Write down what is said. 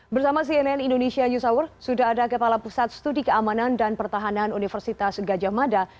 bersama cnn indonesia news hour sudah ada kepala pusat studi keamanan dan pertahanan universitas gajah mada